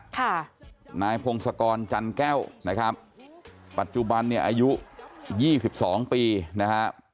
ค่ะนายพงศกรจันแก้วนะครับปัจจุบันเนี่ยอายุยี่สิบสองปีนะฮะ